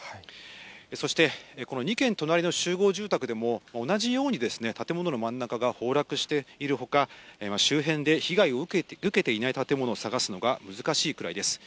そして、この２軒隣の集合住宅でも同じように建物の真ん中が崩落しているほか、周辺で被害を受けていない建物を探すのが難しいくらいです。